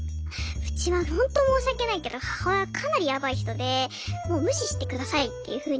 うちはほんと申し訳ないけど母親かなりヤバい人でもう無視してくださいっていうふうに言ってたんですよね。